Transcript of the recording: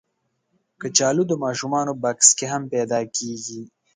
کچالو د ماشومانو بکس کې هم پیدا کېږي